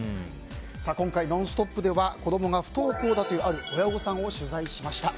今回「ノンストップ！」では子供が不登校だというある親御さんを取材しました。